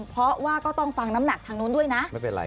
เพราะว่าก็ต้องฟังน้ำหนักทางนู้นด้วยนะ